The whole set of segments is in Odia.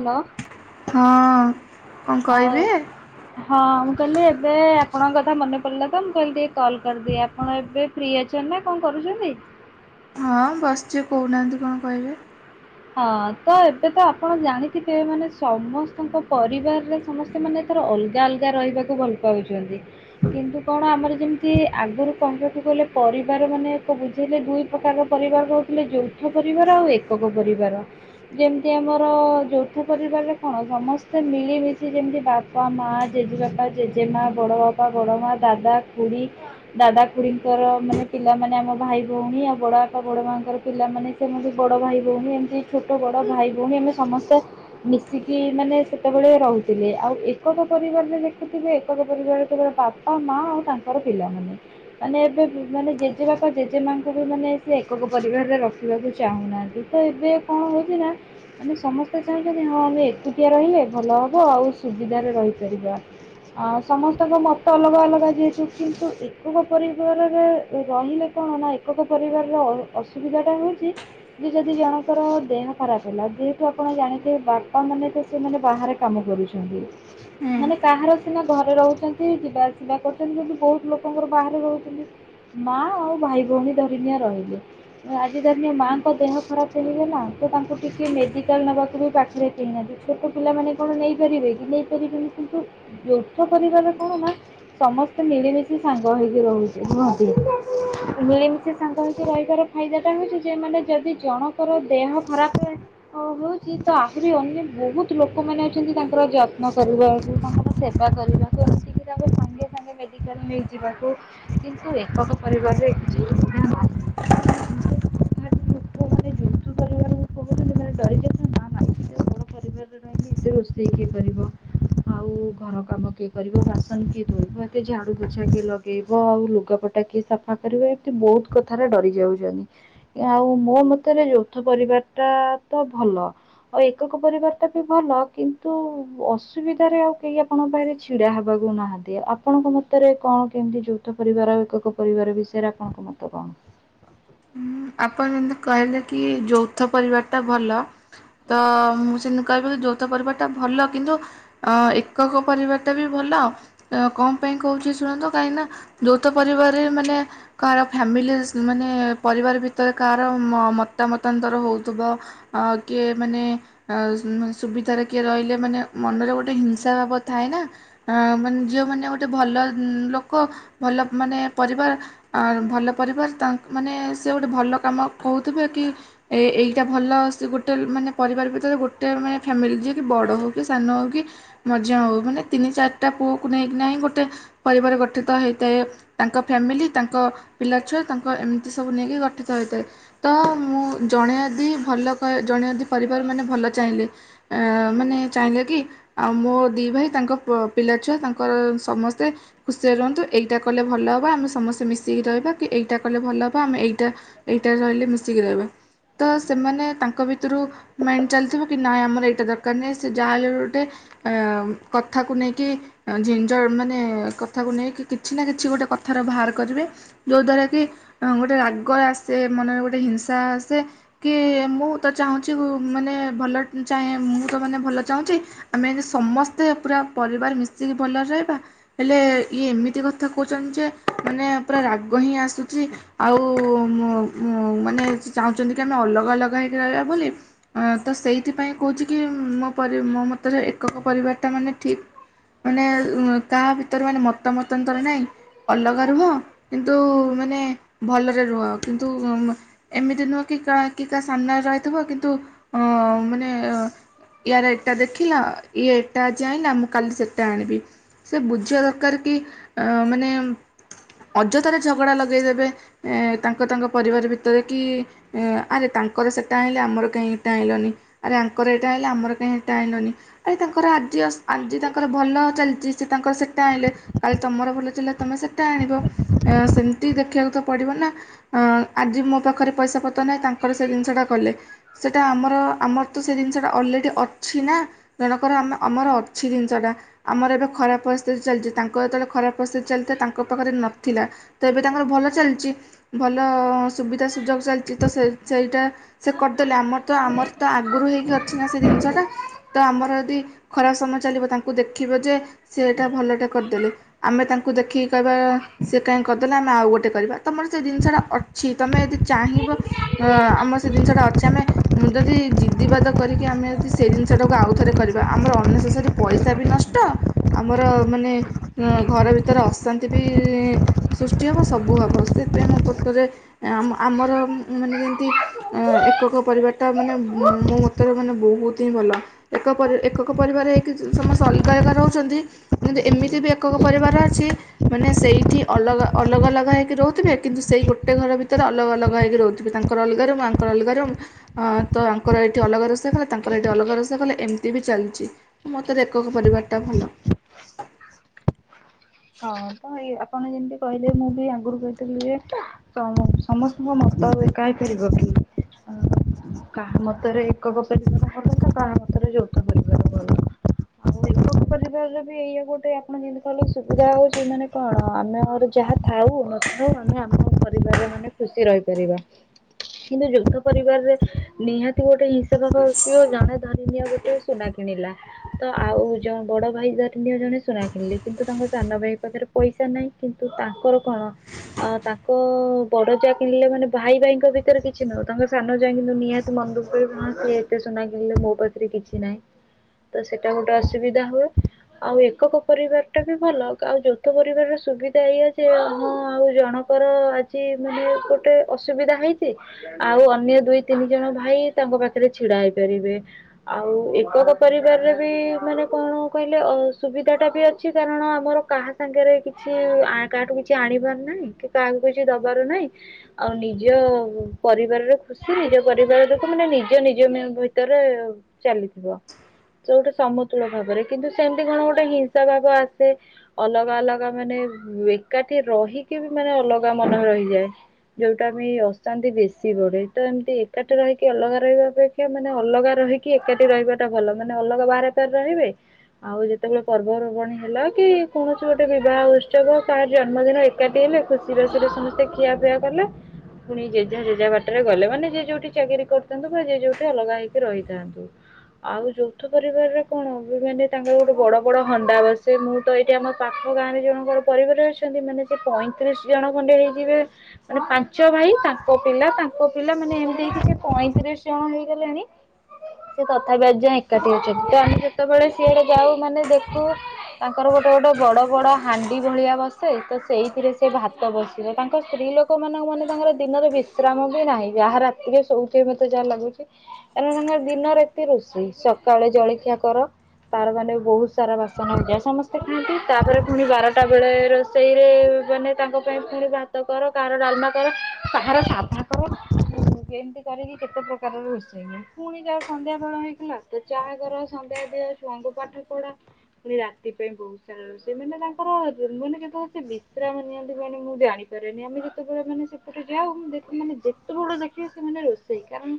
ହ୍ୟାଲୋ ହଁ କଣ ଆଉ କହିବି? ହଁ ମୁଁ କହିଲି ଏବେ ଆପଣଙ୍କ କଥା ମନେ ପଡିଲା ତ ମୁଁ କହିଲି ଟିକେ କଲ୍ କରିଦିି ଆପଣ ଏବେ ଫ୍ରି ଅଛନ୍ତି ନା କଣ କରୁଛନ୍ତି? ହଁ ବସିଛି କହୁନାହାନ୍ତି କଣ କହିବେ ହଁ ତ ଏବେ ତ ଆପଣ ଜାଣିଥିବେ ମାନେ ସମସ୍ତଙ୍କ ପରିବାରରେ ସମସ୍ତେ ମାନେ ତର ଅଲଗା ଅଲଗା ରହିବାକୁ ଭଲ ପାଉଛନ୍ତି କିନ୍ତୁ କଣ ଆମର ଯେମିତି ଆଗରୁ କହିବାକୁ ଗଲେ ପରିବାର ମାନେ ବୁଝେଇଲେ ଦୁଇ ପ୍ରକାର ପରିବାର ରହୁଥିଲେ ଯୋଠ ପରିବାର ଆଉ ଏକ ପରିବାର ଯେମିତି ଆମର ଯୌଥ ପରିବାରରେ କଣ ସମସ୍ତେ ମିଳିମିଶି ଯେମିତି ବାପା ମା ଜେଜେବାପା ଜେଜେମା ବଡ଼ ବାପା ବଡ଼ ମା ଦାଦା ଖୁଡ଼ିୀ ଦାଦା ଖୁୀଙ୍କର ମାନେ ପିଲାମାନେ ଆମ ଭାଇ ଭଉଣୀ ଆଉ ବଡ଼ ବାପା ବଡ଼ ମାଙ୍କର ପିଲାମାନେ ସେମ ବି ବଡ଼ ଭାଇ ଭଉଣୀ ଏମିତି ଛୋଟ ବଡ଼ ଭାଇ ଭଉଣୀ ଆମେ ସମସ୍ତେ ମିଶିକି ମାନେ ସେତେବେଳେ ରହୁଥିଲେ ଆଉ ଏକକ ପରିବାରରେ ଦେଖୁଥିବେ ଏକକ ପରିବାରରେ କେବବେ ବାପା ମା ଆଉ ତାଙ୍କର ପିଲାମାନେ ମାନେ ଏବେ ମାନେ ଜେଜେବାପା ଜେଜେ ମାଙ୍କୁ ବି ମାନେ ସେ ଏକକ ପରିବାରରେ ରଖିବାକୁ ଚାହୁଁନାହାନ୍ତି। ତ ଏବେ କଣ ହଉଛି ନା ଆମେ ସମସ୍ତେ ଚାହିଁଛ ଯେ ହଁ ଆମେ ଏକୁଟିଆ ରହିଲେ ଭଲ ହବ ଆଉ ସୁବିଧାରେ ରହିପାରିବା ସମସ୍ତଙ୍କ ମତ ଅଲଗା ଅଲଗା ଯିହେତୁ କିନ୍ତୁ ଏକକ ପରିବାରରେ ରହିଲେ କଣ ନା ଏକକ ପରିବାରର ଅସୁବିଧାଟା ହେଉଛି। ଯଦି ଜଣଙ୍କର ଦେହ ଖରାପ ହେଲା ଯେହେତୁ ଆପଣ ଜାଣିଥିବେ ବାପା ମାନେ ତ ସେମାନେ ବାହାରେ କାମ କରୁଛନ୍ତି ହୁଁ। ମାନେ କାହାର ସିନା ଘରେ ରହୁଛନ୍ତି ଯିବା ଆସିବା କରୁଛନ୍ତି କିନ୍ତୁ ବହୁତ ଲୋକଙ୍କର ବାହାରେ ରହୁଛନ୍ତି ମା ଆଉ ଭାଇ ଭଉଣୀ ଧରିନିଆ ରହିଲେ ଆଜି ଧରିନିଆ ମାଙ୍କ ଦେହ ଖରାପ ହେଇଗଲା ତ ତାଙ୍କୁ ଟିକେ ମେଡିକାଲ ନେବାକୁ ବି ପାଖରେ କିହିନାହାନ୍ତି ଛୋଟ ପିଲାମାନେ କଣ ନେଇପାରିବେ କି ନେଇପାରିବେନି କିନ୍ତୁ ଯୌଥ ପରିବାର କଣ ନା ସମସ୍ତେ ମିଳିମିଶି ସାଙ୍ଗ ହେକି ରହୁୁ ମିଳିମିଶି ସାଙ୍ଗ ହେକି ରହିବାର ଫାଇଦା ଟା ହଉଛି ଯେମାନେ ଯଦି ଜଣଙ୍କର ଦେହ ଖରାପ ହେଉଛି ତ ଆହୁରି ଅନ୍ୟ ବହୁତ ଲୋକମାନେ ଅଛନ୍ତି ତାଙ୍କର ଯତ୍ନ କରିବାକୁ ତାଙ୍କର ସେବା କରିବାକୁ ଏମତିକି ଆ ସାଙ୍ଗେ ସାଙ୍ଗେ ମେଡ଼ିକାଲ ନେଇଯିବାକୁ ଜିନିଷବୁ ଏକକ ପରିବାରରେ ହେଯିବ ମାନେ ଯୁଦ୍ଧ ପରିବାର କହୁଛନ୍ତି ମ ଡରି ଯାଉଛନ୍ତି ମା ଭାଇ ଘର ପରିବାରରେ ରହିି ଏତେ ରୋଷେଇ କିଏ କରିବ ଆଉ ଘର କାମ କିଏ କରିବ ବାସନ କିଏ ଧୋଇବ ଏତେ ଝାଡୁ ବୋଛା କିଏ ଲଗେଇବ ଆଉ ଲୁଗାପଟା କିଏ ସଫା କରିବ ଏମତି ବହୁତ କଥାରେ ଡରି ଯାଉଛନ୍ତି ଆଉ ମୋ ମତରେ ଯୌଥ ପରିବାର ଟା ତ ଭଲ ଆଉ ଏକକ ପରିବାର ଟା ବି ଭଲ କିନ୍ତୁ ଅସୁବିଧାରେ ଆଉ କେହି ଆପଣଙ୍କ ପାଖରେ ଛିଡା ହବାକୁ ନାହାନ୍ତି ଆପଣଙ୍କ ମତରେ କଣ କେମିତି ଯୌଥ ପରିବାର ଆଉ ଏକକ ପରିବାର ବିଷୟରେ ଆପଣଙ୍କ ମତ କଣ? ହଁ ଆପଣ ଯେମିତି କହିଲେ କି ଯୌଥ ପରିବାରଟା ଭଲ ତ ମୁଁ ସେମିତି କହିବି ଯୌଥ ପରିବାରଟା ଭଲ କିନ୍ତୁ ଏକକ ପରିବାରଟା ବି ଭଲ କଣ ପାଇଁ କହୁଛି ଶୁଣନ୍ତୁ କାହିଁକିନା ଯୌଥ ପରିବାରରେ ମାନେ କାହାର ଫ୍ୟାମିଲି ମାନେ ପରିବାର ଭିତରେ କାହାର ମତାମତାନ୍ତର ହେଉଥିବ ଆ କିଏ ମାନେ ମାନ ସୁବିଧାରେ କିଏ ରହିଲେ ମାନେ ମନରେ ଗୋଟେ ହିଂସା ଭାବ ଥାଏ ନା ମାନେ ଝିଅମାନେ ଗୋଟେ ଭଲ ଲୋକ ଭଲ ମାନେ ପରିବାର ଭଲ ପରିବାର ତାଙ୍କ ମାନେ ସେ ଗୋଟେ ଭଲ କାମ କହୁଥିବେ କି ଏ ଏଇଟା ଭଲ ସେ ଗୋଟେ ମାନେ ପରିବାର ଭିତରେ ଗୋଟେ ମାନେ ଫ୍ୟାମିଲି ଯିଏକ ବଡ଼ ହେଉ କି ସାନ ହେଉ କି ମଝି ହେଉ ମାନେ ତିନି ଚାରିଟା ପୁଅକୁ ନେଇକି ନାହିଁ ଗୋଟେ ପରିବାର ଗଠିତ ହେଇଥାଏ ତାଙ୍କ ଫ୍ୟାମିଲି ତାଙ୍କ ପିଲାଛୁଆ ତାଙ୍କ ଏମିତି ସବୁ ନେଇକି ଗଠିତ ହୋଇଥାଏ ତ ମୁଁ ଜଣେ ଆଦି ଭଲ ଜଣେ ଆଦି ପରିବାର ମାନେ ଭଲ ଚାହିଁଲେ ମାନେ ଚାହିଁଲେ କି ଆଉ ମୋ ଦୁଇ ଭାଇ ତାଙ୍କ ପିଲାଛୁଆ ତାଙ୍କର ସମସ୍ତେ ଖୁସିରେ ରୁହନ୍ତୁ ଏଇଟା କଲେ ଭଲ ହେବ ଆମେ ସମସ୍ତେ ମିଶିକି ରହିବା କି ଏଇଟା କଲେ ଭଲ ହ ଆମେ ଏଇଟା ଏଇଟା ରହିଲେ ମିଶିକି ରହିବା ତ ସେମାନେ ତାଙ୍କ ଭିତରୁ ମାଇଣ୍ଡ ଚାଲିଥିବ କି ନାଇଁ ଆମର ଏଇଟା ଦରକାର ନାହିଁ ସେ ଯାହା ହେଲେ ଗୋଟେ କଥାକୁ ନେଇକି ଝିଞଝ ମାନେ କଥାକୁ ନେଇକି କିଛି ନା କିଛି ଗୋଟେ କଥାର ବାହାର କରିବେ ଯୋଉ ଦ୍ଵାରା କି? ଗୋଟେ ରାଗ ଆସେ ମନରେ ଗୋଟେ ହିଂସା ଆସେ କି ମୁଁ ତ ଚାହୁଁଛି ମାନେ ଭଲ ଚାହେଁ ମୁଁ ତ ମାନେ ଭଲ ଚାହୁଁଛି ଆମେି ସମସ୍ତେ ପୁରା ପରିବାର ମିଶିକି ଭଲରେ ରହିବା ହେଲେ ଇଏ ଏମିତି କଥା କହୁଛନ୍ତି ଯେ ମାନେ ପୁରା ରାଗ ହିଁ ଆସୁଛି। ଆଉ ମାନେ ସେ ଚାହୁଁଛନ୍ତି କି ଆମେ ଅଲଗା ଅଲଗା ହେଇକି ରହିବା ବୋଲି ଅ ତ ସେଇଥିପାଇଁ କହୁଛି। କି ମୋ ପର ମୋ ମତରେ ଏକକ ପରିବାରଟା ମାନେ ଠିକ୍ ମାନେ କାହା ଭିତରେ ମାନେ ମତମତାନ୍ତର ନାହିଁ ଅଲଗା ରୁହ କିନ୍ତୁ ମାନେ ଭଲରେ ରୁହ କିନ୍ତୁ ଏମିତି ନୁହଁ କି କା କି କା ସାମ୍ନାରେ ରହିଥିବ କିନ୍ତୁ ମାନେ ୟାର ଏଇଟା ଦେଖିଲା ଇଏ ଏଇଟା ଆଜି ଆଣିଲା ମୁଁ କାଲି ସେଟା ଆଣିବି ସେ ବୁଝିବା ଦରକାର କି ମାନେ ଅଯଥାରେ ଝଗଡ଼ା ଲଗେଇଦେବେ ତାଙ୍କ ତାଙ୍କ ପରିବାର ଭିତରେ କି ଆରେ ତାଙ୍କର ସେଇଟା ଆଣିଲେ ଆମର କାହିଁ ଏଇଟା ଆଣିଲନି ଆରେ ଆଙ୍କର ଏଇଟା ଆଣିଲେ ଆମର କାହିଁ ଏଇଟା ଆଣିଲନି ଆରେ ତାଙ୍କର ଆଜି ଆଜି ତାଙ୍କର ଭଲ ଚାଲିଛି ସେ ତାଙ୍କର ସେଇଟା ଆଣିଲେ କାଲି ତମର ଭଲ ଚାଲିଲା ତୁମେ ସେଇଟା ଆଣିବ ସେମିତି ଦେଖିବାକୁ ତ ପଡ଼ିବ ନା ଆଜି ମୋ ପାଖରେ ପଇସା ପତ୍ର ନାହିଁ ତାଙ୍କର ସେ ଜିନିଷଟା କଲେ ସେଟା ଆମର ଆମର ତ ସେ ଜିନିଷଟା ଅଲରେଡ଼ି ଅଛି ନା ଜଣକରମ ଆମର ଅଛି ଜିନିଷଟା ଆମର ଏବେ ଖରାପ ପରିସ୍ଥିତି ଚାଲିଛି ତାଙ୍କ ଯେତେବେଳେ ଖରାପ ପରିସ୍ଥିତି ଚାଲିଥିଲା ତାଙ୍କ ପାଖରେ ନଥିଲା ତ ଏବେ ତାଙ୍କର ଭଲ ଚାଲି ଛି ଭଲ ସୁବିଧା ସୁଯୋଗ ଚାଲିଛି ତ ସେ ସେଇଟା ସେ କରିଦେଲେ ଆମର ତ ଆମର ତ ଆଗରୁ ହେଇକି ଅଛି ନା ସେ ଜିନିଷଟା ତ ଆମର ଯଦି ଖରାପ ସମୟ ଚାଲିବ ତାଙ୍କୁ ଦେଖିବ ଯେ ସେଇଟା ଭଲଟେ କରିଦେଲେ ଆମେ ତାଙ୍କୁ ଦେଖିକି କହିବା ସେ କାହିଁକି କରିଦେଲେ ଆମେ ଆଉ ଗୋଟେ କରିବା। ତୁମର ସେ ଜିନିଷଟା ଅଛି ତୁମେ ଯଦି ଚାହିଁବ ଆମର ସେ ଜିନିଷଟା ଅଛି ଆମେ ଯଦି ଜିଦିିବାଦ କରିକି ଆମେ ଯଦି ସେ ଜିନିଷଟାକୁ ଆଉଥରେ କରିବା ଆମର ଅନେସେସରୀ ପଇସା ବି ନଷ୍ଟ ଆମର ମାନେ ଘର ଭିତରେ ଅଶାନ୍ତି ବି ସୃଷ୍ଟି ହେବ ସବୁ ହେବ। ସେଥିପାଇଁ ମୋ ମତରେ ଆମର ମାନେ ଯେମିତି ଏକକ ପରିବାରଟା ମାନେ ମୋ ମତରେ ମାନେ ବହୁତ ହିଁ ଭଲ ଏକ ଏକକ ପରିବାର ହେଇକି ସମସ୍ତେ ଅଲଗା ଅଲଗା ରହୁଛନ୍ତି କିନ୍ତୁ ଏମିତି ବି ଏକକ ପରିବାର ଅଛି ମାନେ ସେଇଠି ଅଲଗା ଅଲଗା ଅଲଗା ହୋଇଇକି ରହୁ ଥିବେ କିନ୍ତୁ ସେଇ ଗୋଟେ ଘର ଭିତରେ ଅଲଗ ଅଲଗା ହୋଇକି ରହୁଥିବେ ତାଙ୍କର ଅଲଗାରୁଙ୍କର ଅଲଗାରୁ ତଙ୍କର ଏଠି ଅଲଗା ରସା କଲା ତାଙ୍କର ଏଠି ଅଲଗା ରସା କଲେ ଏମିତି ବି ଚାଲିଛି ମୋତର ଏକକ ପରିବାରଟା ଭଲ। ହଁ ତ ଏଇ ଆପଣ ଯେମିତି କହିଲେ ମୁଁ ବି ଆଗରୁ କହିଥିଲି ଯେ ସମସ୍ତଙ୍କ ମତ ଆଉ ଏକା ହେି କରିବ କି କାହା ମତରେ ଏକକ ପରିବାର ଭଲ ତ କାହା ମତରେ ଯୌଥ ପରିବାର ଭଲ ଆଉ ଏକକ ପରିବାର ବି ଏଇଆ ଗୋଟେ ଆପଣ ଯେମିତି କହିଲ ସୁବିଧା ହଉଛି ମାନେ କଣ ଆମେର ଯାହା ଥାଉ ନଥାଉ ଆମେ ଆମ ପରିବାରରେ ମାନେ ଖୁସି ରହିପାରିବା କିନ୍ତୁ ଯୁଦ୍ଧ ପରିବାରରେ ନିହାତି ଗୋଟେ ଜଣ ଧରି ନିଆ ଗୋ ସେ ସୁନା କିଣିଲା ତ ଆଉ ଯଉ ବଡଭାଇ ରଣ ଜଣେ ସୁନା କିଣିଲେ କିନ୍ତୁ ତାଙ୍କ ସାନଭାଇ ପାଖରେ ପଇସା ନାହିଁ କିନ୍ତୁ ତାଙ୍କର କଣ ତାଙ୍କ ବଡ ଜା କିଣିଲେ ମାନେ ଭାଇ ଭାଇଙ୍କ ଭିତରେ କିଛି ନହଉ ତାଙ୍କ ସାନ ଯା କିନ୍ତୁ ନିହାତି ମନଦୁଃଖ କରିବ କହିବ କଣ ସିଏ ଏତେ ସୁନା କିଣିଲେ ମୋ ପାଖରେ କିଛି ନାହିଁ ତ ସେଇଟା ଗୋଟେ ଅସୁବିଧା ହୁଏ ଆଉ ଏକକ ପରିବାରଟା ବି ଭଲ ଆଉ ଯୌଥ ପରିବାରର ସୁବିଧା ଏଇଆ ଯେ ହଁ ଆଉ ଜଣଙ୍କର ଆଜି ମାନେ ଗୋଟେ ଅସୁବିଧା ହେଇଛି ଆଉ ଅନ୍ୟ ଦୁଇ ତିନି ଜଣ ଭାଇ ତାଙ୍କ ପାଖରେ ଛିଡା ହେଇପାରିବେ ଆଉ ଏକକ ପରିବାରରେ ବି ମାନେ କଣ କହିଲେ ଅସୁବିଧାଟା ବି ଅଛି। କାରଣ ଆମର କାହା ସାଙ୍ଗରେ କିଛି କାହାଠୁ କିଛି ଆଣିବାର ନାହିଁ କି କାହାକୁ କିଛି ଦବାର ନାହିଁ ଆଉ ନିଜ ପରିବାରରେ ଖୁସି ନିଜ ପରିବାର ଯୋକ ମାନେ ନିଜ ନିଜ ଭିତରେ ଚାଲିଥିବ ତ ଗୋଟେ ସମତୁଳ ଭାବରେ କିନ୍ତୁ ସେମିତି କଣ ଗୋଟେ ହିଂସା ଭାବ ଆସ ସେ ଅଲଗା ଅଲଗା ମାନେ ଏକାଠି ରହିକି ବି ମାନେ ଅଲଗା ମନ ରହିଯାଏ ଯୋଉଟା ଆମେ ଅଶାନ୍ତି ବେଶୀ ବଢେ ତ ଏମିତି ଏକାଠି ରହିକି ଅଲଗା ରହିବା ଅପେକ୍ଷା ମାନେ ଅଲଗା ରହିକି ଏକାଠି ରହିବାଟା ଭଲ ମାନେ ଅଲଗା ବାହାରେ ରହିବେ ଆଉ ଯେତେବେଳେ ପର୍ବପର୍ବାଣିୀ ହେଲା କି କୌଣସି ଗୋଟେ ବିବାହ ଉତ୍ସବ ତାର ଜନ୍ମଦିନ ଏକାଠି ହେଲେ ଖୁସିବାସିରେ ସମସ୍ତେ ଖିଆପିଆ କଲେ ପୁଣି ଯେଝା ଯେଝା ବାଟରେ ଗଲେ ମାନେ ଯିଏ ଯୋଉଠି ଚାକିରି କରିଥାନ୍ତୁ ବା ଯେ ଯୋଉଠି ଅଲଗା ହେଇକି ରହିଥାନ୍ତୁ ଆଉ ଯୌଥ ପରିବାରରେ କଣ ମାନେ ତାଙ୍କର ଗୋଟେ ବଡ ବଡ ହଣ୍ଡା ବସେ ମୁଁ ତ ଏଇଠି ଆମ ପାଖ ଗାଁରେ ଜଣଙ୍କର ପରିବାର ଅଛନ୍ତି ମାନେ ସେ ପଇଁତିରିଶ ଜଣ ଖଣ୍ଡେ ହେଇଯିବେ ମାନେ ପାଞ୍ଚ ଭାଇ ତାଙ୍କ ପିଲା ତାଙ୍କ ପିଲା ମାନେ ଏମିତି ହେଇକି ସେ ପଇଁତିରିଶ ଜଣ ହେଇଗଲେଣି ସେ ତଥାପି ଆଜି ଯାଏଁ ଏକାଠି ଅଛନ୍ତି ତ ଆମେ ଯେତେବେଳେ ସିଆଡେ ଯାଉ ମାନେ ଦେଖୁ ତାଙ୍କର ଗୋଟେ ଗୋଟେ ବଡ ବଡ ହାଣ୍ଡି ଭଳିଆ ବସ ସେ ତ ସେଇଥିରେ ସେ ଭାତ ବସିବ ତାଙ୍କ ସ୍ତ୍ରୀ ଲୋକମାନଙ୍କ ମାନେ ତାଙ୍କର ଦିନରେ ବିଶ୍ରାମ ବି ନାହିଁ ବା ରାତିରେ ଶୋଉଛ ମତେ ଯାହା ଲାଗୁଛି କାରଣ ତାଙ୍କର ଦିନରେ ଏତେ ରୋଷେଇ ସକାଳେ ଜଳଖିଆ କର ତାର ମାନେ ବହୁତ ସାରା ବାସନ ହେଇଯାଏ ସମସ୍ତେ ଭାତ ଖାଆନ୍ତି ତାପରେ ପୁଣି ବାରଟା ବେଳେ ରୋଷେଇରେ ମାନେ ତାଙ୍କ ପାଇଁ ପୁଣି ଭାତ କର କାହାର ଡାଲମା କର କାହାର ସାଧା କର ଏମିତି କରିକି କେତେ ପ୍ରକାରର ରୋଷେଇ ହୁଏ ପୁଣି ଯାହା ସନ୍ଧ୍ୟା ବେଳ ହେଇଥିଲା ତ ଚାହା କର ସନ୍ଧ୍ୟା ଦିଅ ଛୁଆଙ୍କୁ ପାଠ ପଢା ପୁଣି ରାତି ପାଇଁ ବହୁତ ସାରା ରୋଷେଇ ମାନେ ତାଙ୍କର ମାନେ ଯେତେବେଳେ ସେ ବିଶ୍ରାମ ନିଅନ୍ତି ମାନେ ମୁଁ ଜାଣିପାରେନି ଆମେ ଯେତେବେଳେ ମାନେ ସେପଟ ଯାାଉ ମୁ ମାନେ ଯେତେବେଳେ ଦେଖିବେ ସେମାନେ ରୋଷେଇ କାରଣ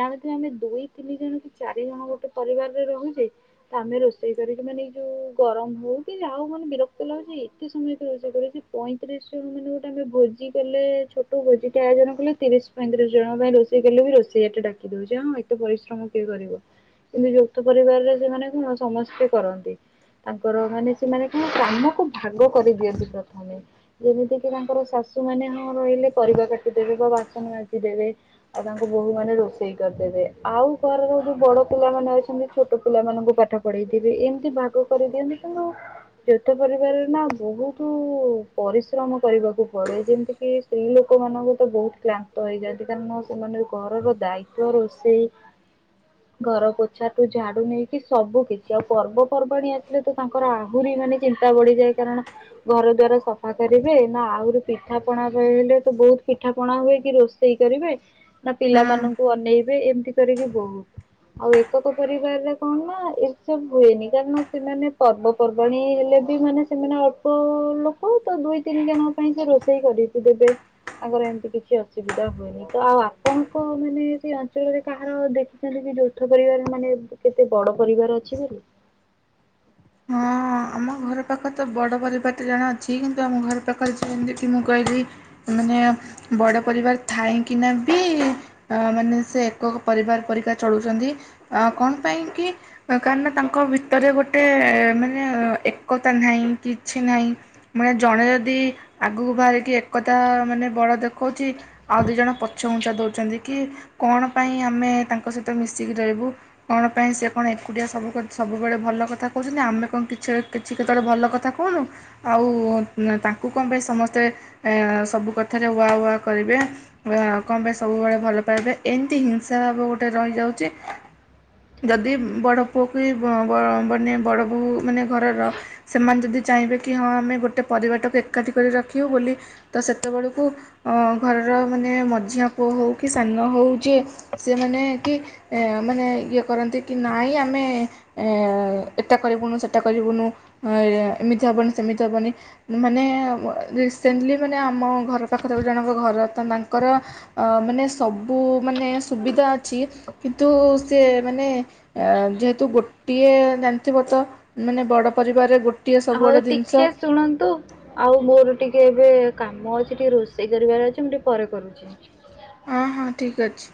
ଜାଣିଥିବେ ଆମେ ଦୁଇ ତିନି ଜଣ କି ଚାରି ଜଣ ଗୋଟେ ପରିବାରରେ ରହୁଛେ ତ ଆମେ ରୋଷେଇ କରିକି ମାନେ ଏଇ ଯୋଉ ଗରମ ହଉ କି ଯାହା ହଉ ମାନେ ବିରକ୍ତ ଲାଗୁଛି ଏତେ ସମୟ କି ରୋଷେଇ କରୁଛି ପଇଁତିରିଶ ଜଣ ମାନେ ଗୋଟେ ଆମେ ଭୋଜି କଲେ ଛୋଟ ଭୋଜିଟେ ଆୟୋଜନ କଲେ ତିରିଶ ପଇଁତିରିଶ ଜଣଙ୍କ ପାଇଁ ରୋଷେଇ କଲେ ବି ରୋଷେଇଆଟେ ଡାକି ଦଉଛେ ହଁ ଏତେ ପରିଶ୍ରମ କିଏ କରିବ କିନ୍ତୁ ଯୌଥ ପରିବାରରେ ସେମାନେ କଣ ସମସ୍ତେ କରନ୍ତି। ତାଙ୍କର ମାନେ ସେମାନେ କ କାମକୁ ଭାଗ କରିଦିଅନ୍ତି ପ୍ରଥମେ ଯେମିତିକି ତାଙ୍କର ଶାଶୁମାନେ ହଁ ରହିଲେ ପରିବା କାଟିଦେବେ ବା ବାସନ ବାଜିଦେବେ ଆଉ ତାଙ୍କ ବୋହୂ ମାନେ ରୋଷେଇ କରିଦେବେ ଆଉ ଘରର ଯୋଉ ବଡ଼ ପିଲାମାନେ ଅଛନ୍ତି ଛୋଟ ପିଲାମାନଙ୍କୁ ପାଠ ପଢେଇ ଦେବେ ଏମିତି ଭାଗ କରିଦିଅନ୍ତି କିନ୍ତୁ ଯୌଥ ପରିବାରରେ ନା ବହୁତ ପରିଶ୍ରମ କରିବାକୁ ପଡେ ଯେମିତି କିି ସ୍ତ୍ରୀ ଲୋକମାନଙ୍କ ତ ବହୁତ କ୍ଲାନ୍ତ ହେଇଯାଆନ୍ତି କାରଣ ସେମାନେ ଘରର ଦାୟିତ୍ବ ରୋଷେଇ ଘରପୋଛାଠୁ ଝାଡୁ ନେଇକି ସବୁ କିଛି ଆଉ ପର୍ବପର୍ବାଣିୀ ଆ ତ ତାଙ୍କର ଆହୁରି ମାନେ ଚିନ୍ତା ବଢିଯାଏ କାରଣ ଘରଦ୍ୱାର ସଫା କରିବେ ନା ଆହୁରି ପିଠା ପଣା ରହଲେ ତ ବହୁତ ପିଠା ପଣା ହୁଏ କି ରୋଷେଇ କରିବେ। ନା ହୁଁ ପିଲାମାନଙ୍କୁ ଅନେଇ ଏ ଏମିତି କରିକି ବହୁତ ଆଉ ଏକକ ପରିବାରରେ କଣ ନା ଏସବୁ ହୁଏନି କାରଣ ସେମାନେ ପର୍ବପର୍ବାଣୀ ହେଲେ ବି ମାନେ ସେମାନେ ଅଳ୍ପ ଲୋକ ତ ଦୁଇତିନି ଜଣଙ୍କ ପାଇଁ ସେ ରୋଷେଇ କରିକି ଦେବେ ତାଙ୍କର ଏମିତି କିଛି ଅସୁବିଧା ହୁଏନି ତ ଆଉ ଆପଣଙ୍କ ମାନେ ସେଇ ଅଞ୍ଚଳରେ କାହାର ଦେଖିଛନ୍ତି କି ଯୌଥ ପରିବାର ମାନେ କେତେ ବଡ ପରିବାର ଅଛି ବୋଲି? ହଁ ଆମ ଘର ପାଖରେ ତ ବଡ଼ ପରିବାର ଜଣେ ଅଛି କିନ୍ତୁ ଆମ ଘର ପାଖରେ ଯେମିତି ମୁଁ କହିଲି ମାନେ ବଡ଼ ପରିବାର ଥାାଇକିନା ବି ମାନେ ସେ ଏକକ ପରିବାର ପରିକା ଚଳୁଛନ୍ତି କଣ ପାଇଁକି କାରଣ ତାଙ୍କ ଭିତରେ ଗୋଟେ ମାନେ ଏକତା ନାହିଁ କିଛ ନାହିଁ ମାନେ ଜଣେ ଯଦି ଆଗକୁ ବାହରିକି ଏକତା ମାନେ ବଳଦେଖଉଛି ଆଉ ଦିଜଣ ପଛଘୁଞ୍ଚା ଦେଉଛନ୍ତି କି କଣପାଇଁ ଆମେ ତାଙ୍କସହିତ ମିଶିକି ରହିବୁ କଣପାଇଁ ସେ କଣ ଏକୁଟିଆ ସବୁବେଳେ ଭଲକଥା କହୁଛନ୍ତି ଆମେ କଣ କିଛି କିଛି କେତେବେଳେ ଭଲ କଥା କହୁନୁ ଆଉ ତାଙ୍କୁ କଣ ପାଇଁ ସମସ୍ତେ ସବୁ କଥାରେ ୱା ୱା କରିବେ କଣ ପାଇଁ ସବୁବେଳେ ଭଲ ପାଇବେ ଏମିତି ହିଂସା ଭାବ ଗୋଟେ ରହିଯାଉଛି ଯଦି ବଡ଼ ବଡ଼ ବୋହୁ ମାନେ ଘରର ସେମାନେ ଯଦି ଚାହିଁବେ କି ହଁ ଆମେ ଗୋଟେ ପରିବାରଟାକୁ ଏକାଠି କରି ରଖିବୁ ବୋଲି ତ ସେତେବେଳକୁ ଘରର ମାନେ ମଝିଆ ପୁଅ ହେଉ କି ସାନ ହେଉ ଯେ ସେମାନେ କି ମାନେ ଇଏ କରନ୍ତି କି ନାଇଁ ଆମେ ଏଟା କରିବୁନୁ ସେଟା କରିବୁନୁ ଏମିତି ହେବନି ସେମିତି ହେବନି ମାନେ ରିସେଣ୍ଟଲି ମାନେ ଆମ ଘର ପାଖରେ ଜଣଙ୍କ ଘର ତ ତାଙ୍କର ମାନେ ସବୁ ମାନେ ସୁବିଧା ଅଛି କିନ୍ତୁ ସେମାନେ ଯେହେତୁ ଗୋଟିଏ ମାନେ ବଡ ପରିବାରରେ ଗୋଟେ ହଉ ଟିକେ ଶୁଣନ୍ତୁ ଆଉ ମୋର ଟିକେ ଏବେ କାମ ଅଛି ଟିକେ ରୋଷେଇ କରିବାର ଅଛି ମୁଁ ଟିକେ ପରେ କରୁଛି। ହଁ ହଁ ଠିକ ଅଛି।